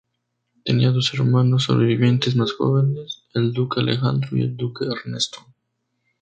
Tenía dos hermanos sobrevivientes más jóvenes, el duque Alejandro y el duque Ernesto.